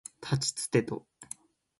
たちつてと